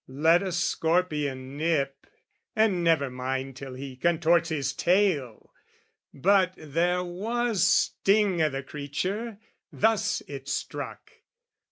Let a scorpion nip, And never mind till he contorts his tail! But there was sting i' the creature; thus it struck.